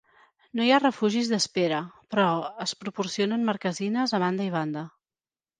No hi ha refugis d'espera, però es proporcionen marquesines a banda i banda.